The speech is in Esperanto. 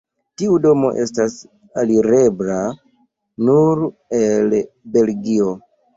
Tiu domo estas alirebla nur el Belgio.